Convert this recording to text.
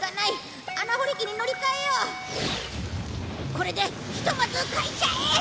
これでひとまず会社へ。